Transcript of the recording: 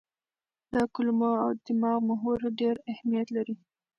د کولمو او دماغ محور ډېر اهمیت لري.